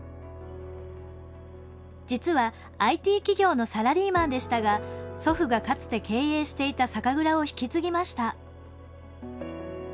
実はＩＴ企業のサラリーマンでしたが祖父がかつて経営していた酒蔵を引き継ぎました。